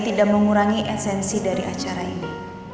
tidak mengurangi esensi dari acara ini